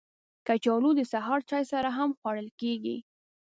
کچالو د سهار چای سره هم خوړل کېږي